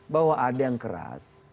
bahwa ada yang keras